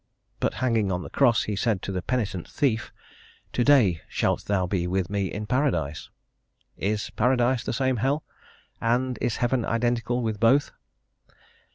But, hanging on the cross, he said to the penitent thief: "To day shalt thou be with me in Paradise:" is Paradise the same hell? and is heaven identical with both?